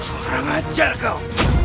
orang ajar kau